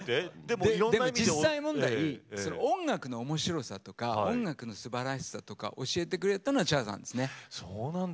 実際問題音楽のおもしろさとか音楽のすばらしさとか教えてくれたのはＣｈａｒさんですね。